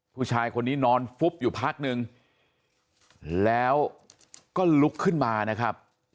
ผู้ชายคนนี้นอนฟุบอยู่พักนึงแล้วก็ลุกขึ้นมานะครับ